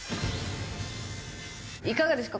いかがですか？